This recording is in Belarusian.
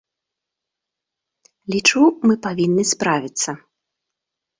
Лічу, мы павінны справіцца.